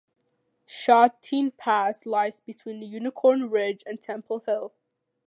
Sha Tin Pass lies between Unicorn Ridge and Temple Hill.